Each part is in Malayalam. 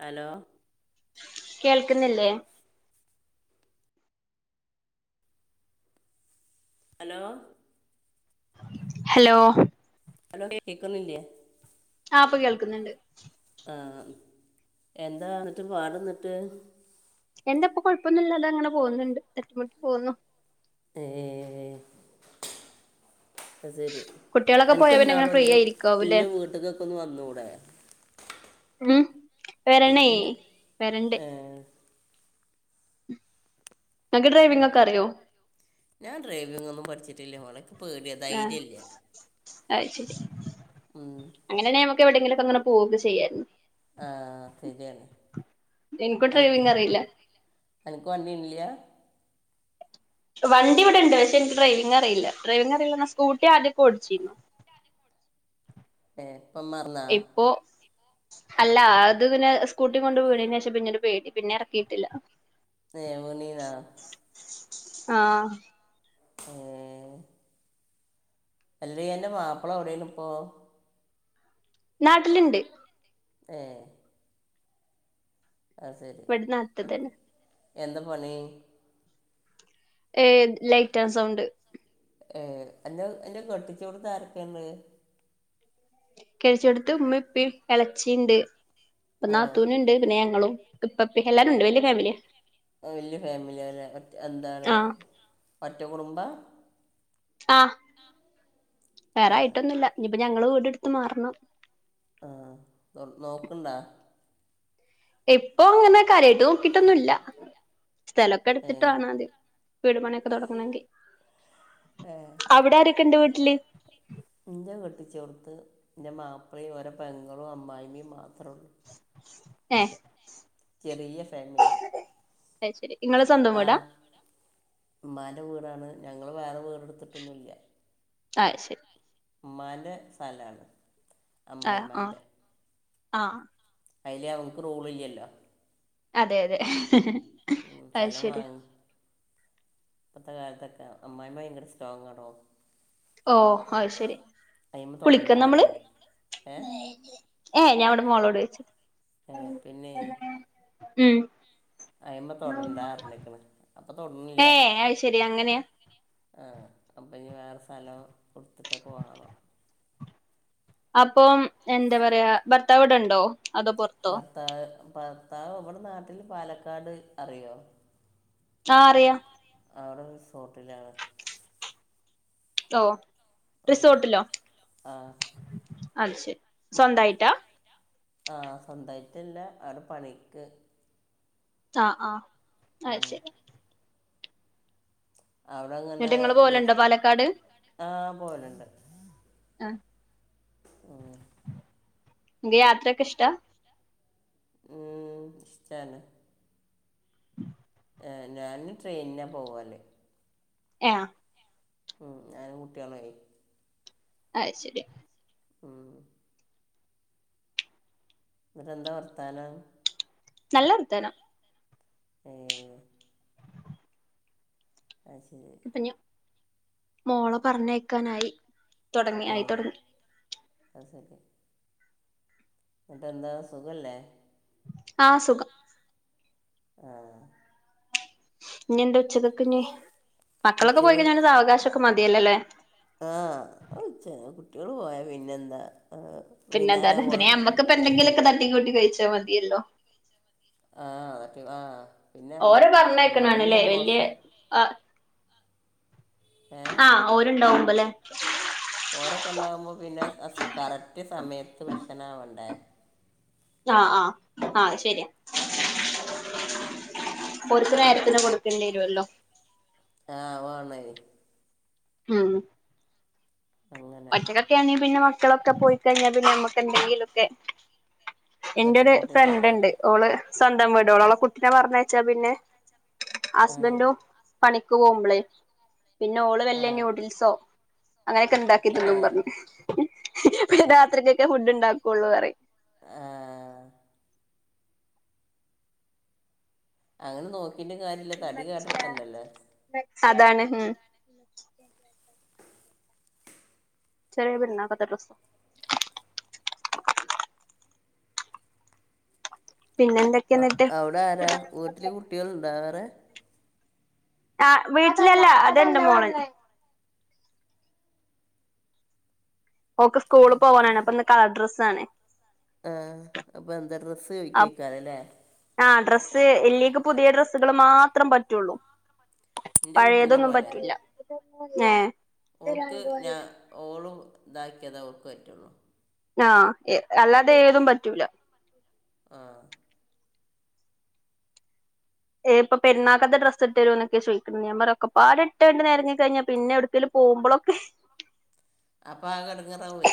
ഹലോ കേൾക്കുന്നില്ലേ ഹലോ ഹലോ ഹലോ കേക്കുന്നില്ലേ ആ പ്പൊ കേൾക്കുന്നുണ്ട് ആ എന്താ ന്നിട്ട് പാടന്നിട്ട് എന്തപ്പ കൊഴപ്പൊന്നുംലല്ല അതങ്ങനെ പോകുന്നുണ്ട് തട്ടി മുട്ടി പോകുന്നു എഏ അ ശെരി കുട്ടികളൊക്കെ പോയാ പിന്നെ അനക്ക്ന്താണോ അങ്ങനെ ഫ്രീ എന്റെ ആയിരിക്കാവൂല്ലേ എൻ്റെ വീട്ടുക്ക് ക്കെ ഒന്ന് വന്നുടെ ഉം വരണേ വരണ്ട് ഏ ണ്ടക്ക് ഡ്രൈവിംഗ് ഒക്കെ അറിയോ ഞാൻ ഡ്രൈവിംഗ് ഒന്നും പഠിച്ചിട്ടില്ല മോളെ പേടിയ ധൈര്യല്ല അ ശരി അങ്ങനെണെ നമ്മു എവിടെങ്കിലൊക്കെ ങ്ങനെ പോവക്കെ ചെയ്യായിരുന്നു ആഹ് ശരിയാണ് എനിക്കും അനക്ക് ഡ്രൈവിംഗ് അറിയില്ല അനക്കുവണ്ണിഇല്ല വണ്ടി ഇവിടെ ഇണ്ട് പക്ഷെ എനിക്ക് ഡ്രൈവിംഗ് അറിയില്ല ഡ്രൈവിംഗ് അറിയില്ലാന്നാ സ്കൂട്ടി ആദ്യൊക്കെ ഓടിച്ചിരുന്നു ഏ ഇപ്പം മറന്ന ഇപ്പൊ അല്ല അത് പിന്നെ സ്കൂട്ടി കൊണ്ട് വീണേന് ശേഷം പിന്നിട് പേടി പിന്നെ എറക്കിയിട്ടില്ല ഏ വീണീന്നാ ആഹ് എഏ അല്ലെ അന്റെ മാപ്പള എവിടെണ് ഇപ്പോ നാട്ടില്ണ്ട് ഏ അ ശരി ഇവിടെ നാട്ടിൽ എ തന്നെ എന്താ പണി ഏ ലൈറ്റ് ആൻഡ് സൗണ്ട് ഏ അൻ്റെ അൻ്റെ കെട്ടിച്ചോട്ത്ത് ആരൊക്കെണ്ട് കെട്ടിച്ചോടത്ത് ഉമേം ഉപ്പേ ഇളച്ചിണ്ട് പ്പോ ആ നാത്തൂനുണ്ട് പിന്നെ ഞങ്ങളും ഉപ്പാപ്പിം എല്ലാരും ഇണ്ട് വല്ല്യ ഫാമിലിയാ വല്യ ഫാമിലാല്ലെ ഒറ്റ എന്താണ് ആഹ് ഒറ്റ കുടുംബാ ആ ആ വേറായിട്ടൊന്നുല്ല ന്പ് ഞങ്ങള് വീടെടുത്ത് മാറണം ആ നൊ നോക്കുണ്ടാ ഇപ്പോങ്ങനെ കരൃയിട്ട് നോക്കിട്ടൊന്നുല്ല ഏ സ്ഥലൊക്കെടുത്തിട്ട് വാണാദ്യം വീടു പണിയൊക്കെ തുടങ്ങണെങ്കി ഏ അവിടാരക്ക്ണ്ട് വീട്ടി ട്ടില് ന്റെ കെട്ടിച്ചോട്ത്ത് ൻ്റെ മാപ്പളിം ഓരെ പെങ്ങളും അമ്മായിമ്മിം മാത്രള്ളൂ എ ചെറീയ ഫാമില്യാ അഹ് ശരി. ഇങ്ങളെ സ്വന്തം വീടാ? ൻ്റെ വീടാണ് ഞങ്ങള് വേറെ വീട് ഇട്ത്ത്ട്ടൊന്നുല്ല്യാ. അഹ്ശരി. ഇമ്മാൻ്റെ സ്ഥലാണ്. ആഹ് ആഹ് അമ്മായ്മാന്റെ ആഹ് ഐല് ഞംക്ക് റൂള് ഇല്ല്യല്ലോ അതെയതെ. ഉം സ്ഥലം വാങ്ങി ഇപ്പത്തെ കാലത്തൊക്കെ അമ്മായ്മ്മ ഭയങ്കര സ്ട്രോങാടോ ഓഹ് അയ് ശെരി തൊടണ്ടാറിന് ഏ ഏഹ് ഞാവിടെ മോളോടോയ്ച്ചത് ഏ ഉം അയ്മതൊടണ്ടാറ്ഞ്ഞ്ക്ക്ണ് അപ്പൊ തൊട്ണില്ലൃ ഏ അത് ശെരി അങ്ങനെയാ ആഹ് അ പ്പോനി വേറെസ്ഥലോ കൊടുത്ത്ട്ടൊക്കെ വാങ്ങാം അപ്പം എന്താ പറയാ ഭർത്താവ്ടെണ്ടോ ഭർത്താവ് ഭ ർത്താവ് ഇവടെ നാട്ടില് പാലക്കാട് അറിയോ ആഹ് അറിയാം അവിടെ റിസോട്ടിലാണ് ഓഹ് റിസോട്ടിലോ? ആ അത് ശെരി സ്വന്തായിട്ടാ? ആഹ് സ്വന്തായിട്ടല്ല ആടെ പണിക്ക് ആഹ് ആഹ് അത് ഉം ശെരി അവിടെ എന്നിട്ട് നിങ്ങള് പോലണ്ടോ പാലക്കാട് ആഹ് പോവല്ണ്ട് ആഹ് ഈ യാത്രക്കെ ഇഷ്ടാ ഉം ഇഷ്ടാണ് ഞാനും ട്രെയിനിലാ പോവല് ഏഹ് ആഹ് ഉം ഞാനും കുട്ടികളായി അയ് ശരി മ് എന്നിട്ടെന്താ വർത്താനം നല്ലരുത്താണ് മ്മ് അയ് ശേ ഇപ്പൊഞ്ഞ മോളെ പറഞ്ഞയക്കാനായി തൊടങ്ങി ആയി തൊടങ്ങി തസക് എന്നിട്ട എന്താ സുഖല്ലേ ആ സുഖം ആ ഇനി എന്താ ഉച്ചക്ക കഞ്ഞീ മക്കളൊക്കെ ഉച്ചക്ക് പോയികഴിഞ്ഞാൽ അവകാശമൊക്കെ മാ തിയല്ലല്ലേ ട്ട്യാള് പോയ പിന്നെന്താ ആ, പിന്നെ ന്താണ് വൈകുന്നേരം പിന്നെ പോണത് നമ്മക്ക് ഇപ്പോ എന്തെങ്കിലൊക്കെ ത ട്ടി കൂട്ടി കഴിച്ചാ മതിയല്ലോ ആ അതൊക്കെ ആ പിന്നെ ഓര അമ്മായിമ്മ പറഞ്ഞെയ്‌ക്ണാണല്ലേ വല്യെ അമ്മോസും അ ഏ ഓരുണ്ടാവുമ്പല്ലേ ഓരൊക്കെ ണ്ടാഉമ്പോ പിന്നെ ആസ് കറക്റ്റ് സമയത്ത് ഭക്ഷണം ആവണ്ടേ ആ ആ ആഹ് ശരിയാ പൊരുത് നേരത്തിന് കൊടുക്കേണ്ടിരൊല്ലോ ആവാണേഹ് ഹും അങ്ങനെ ഒറ്റകൊക്കെ ആണെ പിന്നെ മ ക്കളൊക്കെ പോയിക്കഴിഞ്ഞാല് പിന്നെ നമ്മക്കെന്തെങ്കിലുക്കെ എന്റെ ഇതൊട്ടി ഒരു കൂട്ടി ഫ്രണ്ട് ഉണ്ട് നേരം ഓള് സ്വന്തം വ ടോളോളൊ കുട്ടിനെ പർഞ്ഞയച്ചാ പിന്നെ ആഹ് ഹസ്ബൻഡും പണിക്കുവോ മ്മളെ പിന്നെ ഓള് വല്യ ആഹ് നൂഡിൽസോ അങ്ങനെ ഒക്കെ ഇ ക്കെ തിന്നും ഏഹ് പർണു രാത്രിക്കെക്കെ ഫുഡ് ഇണ്ടാക്കൊള്ളു പറിം ആ അങ്ങനെ നോ ക്കിയിട്ടും കാര്യയില്ല തടി കേട് വെര്ത്തെണ്ട അല്ലോ അതാണ് ഉം ചെറിയ പെരുന്നാക്കത്തെ ഡ്രെസ്സ് പിന്നെ എന്തൊക്കെയാ അ എന്നിട്ട് അയുടെ ആരാ വീട്ട്ൽ കുട്ടെൾ ഇണ്ടോ വേറെ ആ വീട്ടിലല്ല അതന്റെ മോള ഓൾക്കെ സ്കൂളിൽ പോവാനണ് അപ്പൊ ഇന്ന് കളർ ഡ്രസ്സ് ആണ് ആ അപ്പൊ എന്താ ഡ്രസ്സ് ഒതുക്കി വെക്കാനല്ലേ ഡ്രസ് എല്ലേക്ക് പുതിയ ഡ്രസ്സുകള് മാത്രം പറ്റുള്ളൂ എൻ്റെ കൂട്ടിൻ്റെ പഴയതൊന്നും പോലെ പറ്റില്ല ആ ഓൾക്ക് ഞാ ഓള് ഇതാക്കിയത അവർക്ക് പറ്റുള്ളൂ ആ അല്ലാതെ ഏതും പറ്റൂല ആ ഏ ഇപ്പ പെണ്ണാക്കാത്തെ ഡ്രസ്സ് ഇട്ട്രുമ എന്നൊക്കെ ചോദിക്ക ഞാ പറ ഒപ്പാട് ഇട്ടണ്ടി നേരഞ്ഞ കഴിഞ്ഞാ പിന്നെ എടുക്കൽ പോകുമ്പോളൊക്കെ അപ്പ ആകെ ഇടങ്ങേറ് ആകുമേ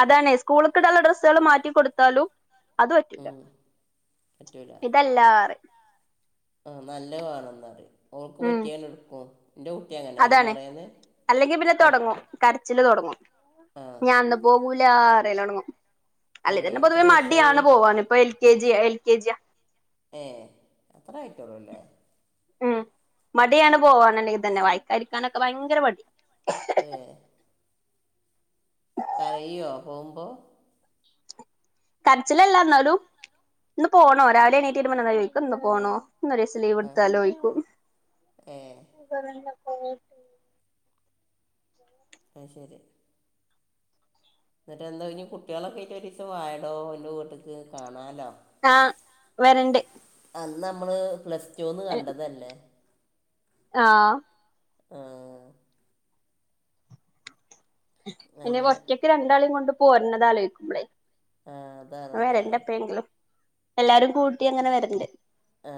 അതണേ സ്കൂൾക്കിടെള്ള ഡ്രസ്സുകള് മാറ്റി കൊടുത്താലും അത് പറ്റില്ല ഉം ഇതല്ലാറ ആ നല്ല വേണമെന്നുപറയും അവൾക്ക് ഉം പറ്റിയ എടുക്കും എന്റെ കുട്ടി അങ്ങനെ അതാണ് അൽമാറന്ന് പറ്റി ഞാന്ന് പോക പൂല അറല്ലണങ്ങോ ഏഹ് അല്ലെതന്നെ എത്ര പൊതുവെ വയസായി മടിയാണ് പോവാൻ ഇപ്പ എൽ കെ ജി കേജിയ ഏ അത്ര ആയിട്ടോള്ളൂല്ലേ ഉം മടിയാണ് പോവാനല്ലെ ഇത് തന്നെ വായിക്കാതിരിക്കാനൊക്കെ ഭയങ്കര മടി ഏ കരയുവോ പോകുമ്പോ കരച്ചിലല്ല എന്നാലും ഇന്ന് പോണോ രാവിലെഎണീറ്റ് വരുമ്പോ ചോദിക്കും ഇന്ന് പോണോ ഇന്ന് ഒരു ദിവസം ലീവ് ആഹ് എടുത്താലോ എന്ന് ചോദിക്കും ഏഹ് കോ [unintelligible] അ ശരി എന്നിട്ട്ന്തോ ഇനി കുട്ടികളൊക്കെട്ട് ഒരീസം വാടോ എന്റെ വീട്ടിക്ക് കാണാലോ ആ വരണ്ട്‌ അന്ന് നമ്മള് പ്ലസ് ന്ന് കണ്ടതല്ലേ ആ ആ പിന്നെ അങ്ങനെ ഒറ്റക്ക് രണ്ടാളേം കൊണ്ട് പോരണത് ആലോചികുമ്പളെ ആഹ് അതാണ് ആ അതാണ് [unintelligible] എപ്പയെങ്കിലും എല്ലാരും കൂട്ടി അങ്ങനെ വരണ്ട് ആ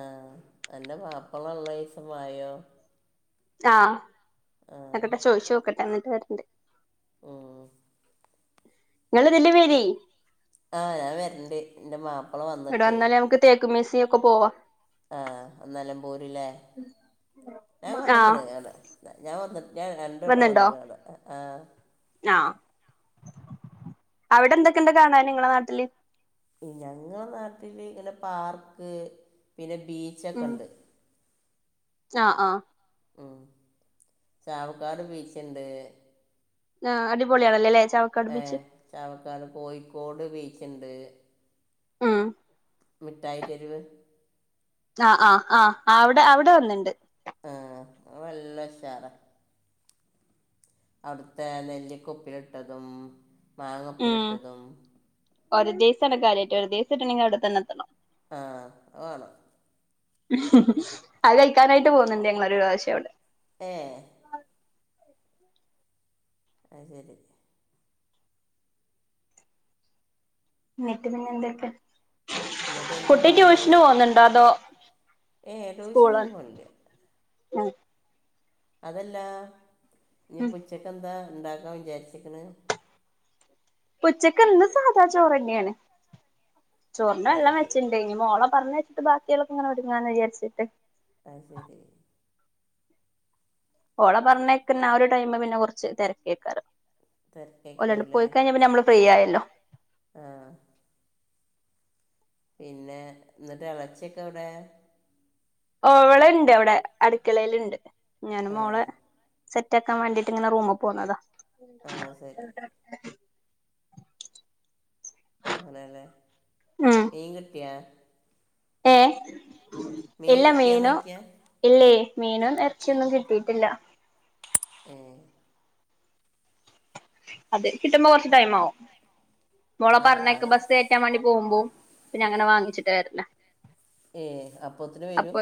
അന്റെ മാപ്പള ഉള്ളീസം വായോ ആ ആഹ് നോക്കെട്ടെ ചോയിച്ച് നോക്കെട്ടെ ഇന്നെ വെര്ന്റ് ഉം ഇങ്ങൾ ഇതിലെ വെരി ആ ഞാൻ വെര്ന്റ് ഇന്റെ മാ ഇങ്ങട്ട് വന്നാലെ നമ്മക്ക് തെ ക്ക് മ്യൂസിയം ഒക്കെ പോവാ ആ നെലമ്പൂര് ലെ ഞാൻ ആഹ് കണ്ട്‌ക്ക്ണ് അയുടെ ഞ ഞാൻ വന്ന്‌ ഞാൻ രണ്ട്‌ വട്ടം വന്ന്‌ വന്നിണ്ടോ കാണാൻ ആ ആ അവടെ എന്തക്കണ്ട് കാണാൻ നിങ്ങട നാട്ടില് ഞങ്ങള നാട്ടില് ഇങ്ങനെ പാർക്ക് പിന്നെ ബീച്ചക്കൊണ്ട് ആ ആ ഉം ചാവക്കാട് ബീച്ചണ്ട് ആ അടിപൊളിയാണല്ലേ അല്ലേച്ച് ഏ ചാവക്കാട് കോയിക്കോട് ബീ ച്ച്ണ്ട് ആ മിഠായിത്തെരുവ് ആ ആ ആ ആ അവിടെ അവിടെ ഒന്ന്ണ്ട് ആ നല്ല ഉശാറാ അവിടുത്തെ നെല്ലിക്ക ഉപ്പിലിട്ടതും മാങ്ങ ഉം ഉപ്പിലിട്ടതും [unintelligible] അവിടെ തന്നെത്തണം ആ അതാണ് അത് കഴിക്കാനായിട്ട് പോന്ന്ണ്ട് ഞങ്ങളൊരു പ്രശം അവിടെ ഏ അ ശരി എന്നിട്ട് പിന്നെ എന്തൊക്കെ എന്നിട്ട് എന്താ പാട് അതോ ഏ ടൂശനോന്നും പോന്നില്ല ഉം അതല്ലാ ഉം ഇനിപ്പ ഉച്ചെക്കന്താ ഉണ്ടാക്കാൻ വിചാരിച്ചിക്കണ് ഉച്ചക്കിന്ന് സാധാ ചോറ്ന്നെയാണ് ചോറിണ്ട ഏ എല്ലാം വെച്ചിണ്ടേനി മോള പറഞ്ഞു വച്ചിട്ട് ബാക്കിയളൊക്കെ ഇങ്ങെടുങ്ങാന്ന് വിചാരിച്ചിട്ട് അത് ശരി ഓള പറഞ്ഞേക്കന്ന ആ ഒരു ടൈമ് പിന്നെ കുറച്ച് തിരക്കിക്കാറ് ലണ്ട് തിരക്കായിക്കാവൂലേ പോയിക്കഴിഞ്ഞപ്പ ഞമ്മള് ഫ്രീ ആയ ഹലോ ആഹ് പിന്നെ എന്നിട്ട് ഇളച്ചിയൊക്കെ എവിടെ ഓള്ണ്ട് അവിടെ അടുക്കളയില്ണ്ട് ഞാന് ആ മോളെ സെറ്റാക്കാൻ വേണ്ടീട്ട് ഇങ്ങന റൂമിൽ പോന്നതാ ആഹ് ശരി അങ്ങനെല്ലേ നീൻ കിട്ടിയാ- ഏഹ് മീൻ എല്ല കിട്ടിയാന്ന് മേനോ നോക്കിയാ എല്ലേ- മീനും ഇറച്ചിയൊന്നും കിട്ടിയിട്ടില്ല ആഹ് അത് കിട്ടുമ്പോ കൊറച്ച് ടൈം ആവും മോളെ ആ ആ പറഞ്ഞയക്കുമ്പോ ബസ് കയറ്റാൻ വേണ്ടി പോകുമ്പോ പിന്നേ അങ്ങനെ വാങ്ങിച്ചിട്ടവെരാല ഏഹ് അപ്പൊത്തിന് വരും.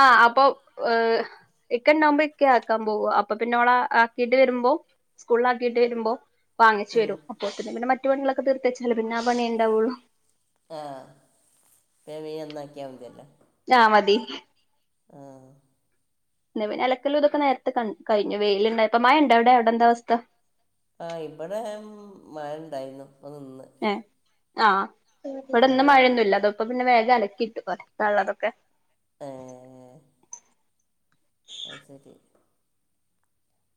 ആഹ് അപ്പൊ ഏഹ് ഇക്ക ഉണ്ടകുമ്പോ ഇക്കെ ആക്കാൻ പോകാ അപ്പൊ പിന്നെ ഓളെ ആക്കിട്ട് വരുമ്പോ- സ്കൂളിൽ ആക്കിയിട്ട് വരുമ്പോൾ വാങ്ങിച്ചു ഉം. വരും അപ്പ പിന്നെ മറ്റു പണികളക്കെ തീർത്തച്ചാല് പിന്നെ ആ പണി ഉണ്ടാവുള്ളു ആഹ് [unintelligible] എന്നാക്കിയാൽ മതില്ലേ ഞാ മതി ആഹ് എന്നവിന് അലക്കലും ഇതൊക്കെ നേരത്തെ ക കഴിഞ്ഞു വെയിലുണ്ടായിപ്പ മഴ ഇണ്ട എവിടെ എവിടെ എന്താ അവസ്ഥ ആഹ് ഇവിടെ മയണ്ടാരുന്നു അതിന്ന് ഏ ആഹ് ഇവിടെ ഇന്ന് മഴൊന്നും ഇല്ല അതൊപ്പ പിന്നെ വേ ഇത് അലക്കീട്ടു [unintelligible] നുള്ളതൊക്കെ ആഹ് അത് ശെരി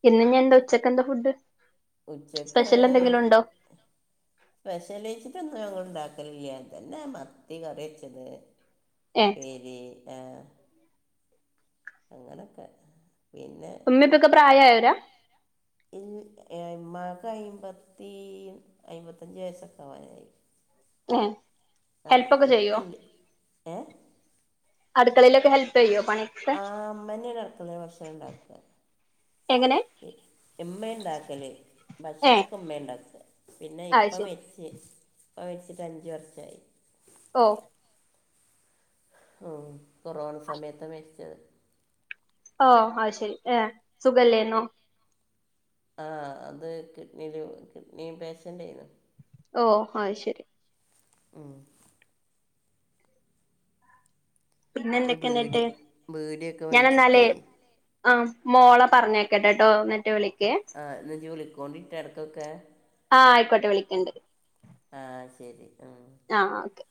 ഇന്ന്ഞ്ഞെന്താ ഉച്ചക്ക് എന്താ ഫുഡ് ഉച്ചക്ക്‌ സ്പെഷ്യൽ എന്തെങ്കിലും ഉണ്ടോ സ്പെഷ്യലേയ്ച്ച്ട്ട്ന്നും ഞങ്ങള് ണ്ടാക്കലില്ല ഇതെന്നെ മത്തി കറിവെച്ചത് ഏ പ്പേരി ആഹ് അങ്ങനൊക്കെ പിന്നെ ഉമ്മി പ്പൊക്കെ പ്രായയോ ല്ല ഈ ഇ മ്മാക്ക് അയ്മ്പത്തി അയിമ്പത്തഞ്ച് വയസ്സൊക്കെ ആവാനായി ങ്ങെ ആഹ് ഇപ്പല്ല ഏ അട്ക്കളേലൊക്കെ ഹെല്പ് ചെയ്യോ പണിയൊക്കെ ആ മ്മന്നേണ് അടുക്കളേല് ഭക്ഷണം ണ്ടാക്ക എങ്ങനെ ഇമ്മേ ണ്ടാക്കല് ഏ ഭക്ഷണൊക്കെ ഇമ്മേ ണ്ടാക്ക പിന്നെ അത് ഇപ്പ ശരി മരിച്ച് പ്പ മരിച്ചിട്ട് അഞ്ച് വർഷായി ഓ ഓ കൊറോണ സമയത്താ മരിച്ചത് ഓഹ് അത് ശെരി ഏഹ് സുഖം ഇല്ലേന്നോ? ആഹ് അത് കിഡ്നില് കിഡ്നി പേഷ്യൻ്റേന്നു. ഓഹ് അത് ശരി. ഉം പിന്നെ ഈ എന്തൊക്കെ ബീഡി എന്നിട്ട് ബീഡിയൊക്കെ വല്ച്ചിട്ടേ. ആഹ് മോളെ പറഞ്ഞയ്ക്കട്ടേട്ടോ ഇന്നെട്ട് വിളി ആഹ് ഇന്ന ജ് വിളിക് കോണ്ടി ട്ടെടക്കൊക്കെ. ആഹ് ആയിക്കോട്ടെ വിളിക്കണ്ട് ക ആഹ് ശരി ഉം ആഹ് ഓക്കെ